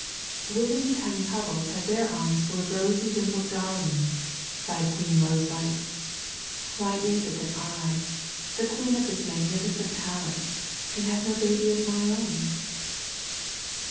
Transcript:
"Women in tiny hovels have their arms full of rosy dimpled darlings," sighed Queen Rosewhite. "Why is it that I, the queen of this magnificent palace, can have no baby of my own?"